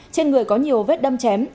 trên người có nhiều vết đâm chém